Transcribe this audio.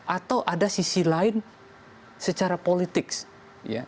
atau ada sisi lain secara politik ya